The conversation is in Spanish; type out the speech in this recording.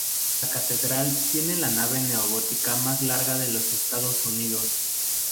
La catedral tiene la nave neogótica más larga de Estados Unidos.